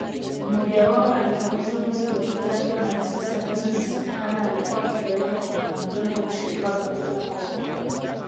Mmoja wao alikamatwa mwezi uliopita akiwa na risasi ambazo inasemekana alikuwa akizipeleka kwa wanamgambo wa Ushirika kwa Maendeleo ya Kongo